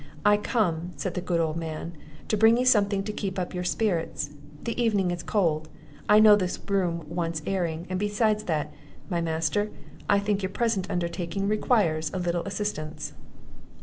"I come," said the good old man, "to bring you something to keep up your spirits; the evening is cold; I know this room wants airing; and beside that, my master, I think your present undertaking requires a little assistance."